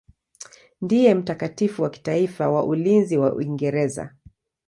Ndiye mtakatifu wa kitaifa wa ulinzi wa Uingereza.